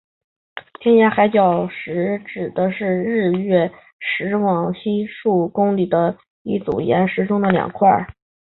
天涯海角石指的是日月石往西数公里的一组岩石中的两块。